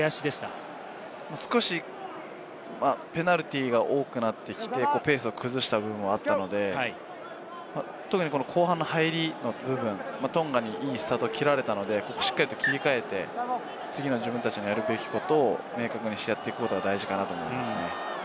少しペナルティーが多くなってきて、ペースを崩した部分もあったので、特にこの後半の入りの部分、トンガにいいスタートを切られたので、しっかりと切り替えて、次の自分たちのやるべきことを明確にしてやっていくことが大事かなと思いますね。